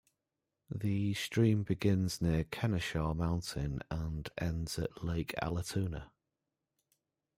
The stream begins near Kennesaw Mountain and ends at Lake Allatoona.